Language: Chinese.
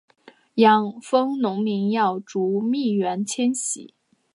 养蜂农民要逐蜜源迁徙